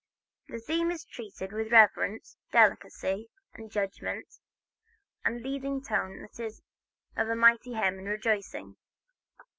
The theme is treated with reverence, delicacy and judgment, and the leading tone is that of a mighty hymn of rejoicing.